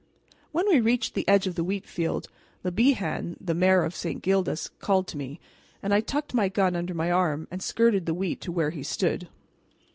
When we reached the edge of the wheat field, Le Bihan, the mayor of St. Gildas, called to me, and I tucked my gun under my arm and skirted the wheat to where he stood.